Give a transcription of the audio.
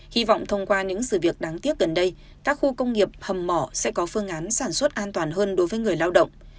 hy vọng thông qua những sự việc đáng tiếc gần đây các khu công nghiệp hầm mỏ sẽ có phương án sản xuất an toàn hơn đối với người lao động